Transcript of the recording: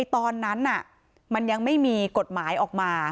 ตอนนั้นมันยังไม่มีกฎหมายออกมา